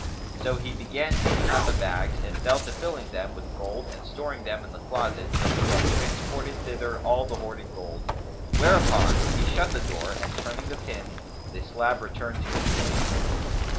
So he began taking out the bags and fell to filling them with gold and storing them in the closet, till he had transported thither all the hoarded gold, whereupon he shut the door and turning the pin, the slab returned to its place.